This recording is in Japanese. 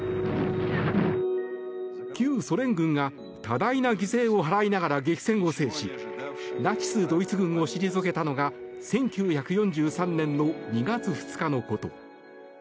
旧ソ連軍が多大な犠牲を払いながら激戦を制しナチス・ドイツ軍を退けたのが１９４３年２月２日のこと。